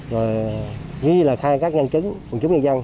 rồi ghi lời khai các nhân chứng quần chúng nhân dân